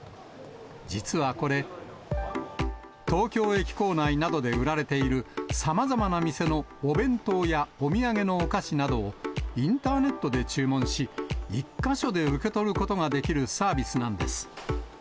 実はこれ、東京駅構内などで売られているさまざまな店のお弁当やお土産のお菓子などを、インターネットで注文し、１か所で受け取ることができるサービスなんです。